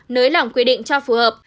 nới lỏng quy định cho phù hợp